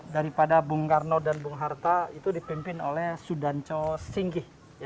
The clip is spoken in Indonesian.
daripada bung karno dan bung harta itu dipimpin oleh sudanco singkih